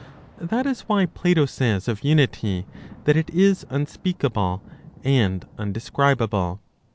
That is why Plato says of (Unity) that it is unspeakable and undescribable.